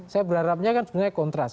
saya berharapnya kan sebenarnya kontras